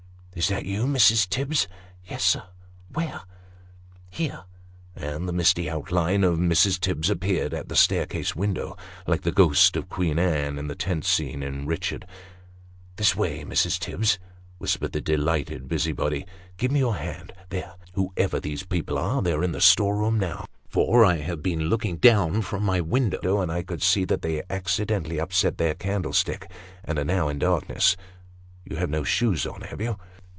" Is that you, Mrs. Tibbs ?"" Yes, sir." " Where ?" "Here ;" and the misty outline of Mrs. Tibbs appeared at the staircase window, like the ghost of Queen Anne in the tent scene in Eichard. " This way, Mrs. Tibbs," whispered the delighted busybody :" give me your hand there! Whoever these people are, they are in the storeroom now, for I have been looking down from my window, and I could see that they accidentally upset their candlestick, and are now in darkness. You have no shoes on, have you